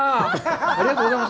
ありがとうございます。